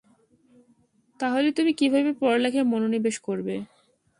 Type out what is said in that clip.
তাহলে তুমি কিভাবে পড়ালেখায় মনোনিবেশ করবে?